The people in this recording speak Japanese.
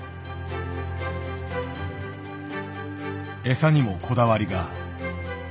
餌にもこだわりが。